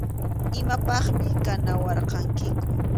Imapaqmi kanawarqankiku.